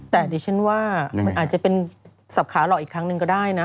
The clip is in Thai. แต่ดิฉันว่ามันอาจจะเป็นสับขาหลอกอีกครั้งหนึ่งก็ได้นะ